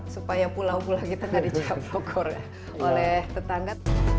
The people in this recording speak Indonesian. supaya pulau pulau kita tidak dicaplokor oleh tetangga